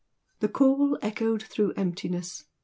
The call echoed through emptiness.